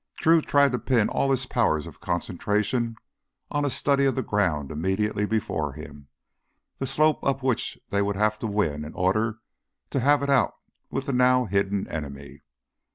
Drew tried to pin all his powers of concentration on a study of the ground immediately before him, the slope up which they would have to win in order to have it out with the now hidden enemy.